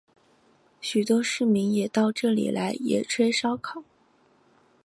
许多市民也到这里来野炊烧烤。